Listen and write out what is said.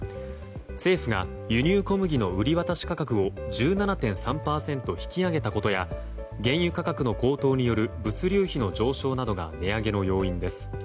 政府が輸入小麦の売り渡し価格を１７．３％引き上げたことや原油価格の高騰による物流費の上昇などが値上げの要因です。